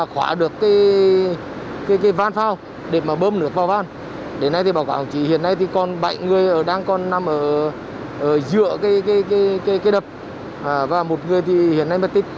hôm nay còn bảy người đang còn nằm ở giữa cái đập và một người hiện nay mất tích